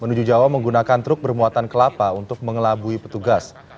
menuju jawa menggunakan truk bermuatan kelapa untuk mengelabui petugas